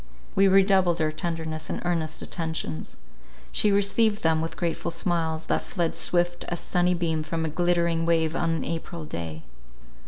We redoubled our tenderness and earnest attentions. She received them with grateful smiles, that fled swift as sunny beam from a glittering wave on an April day.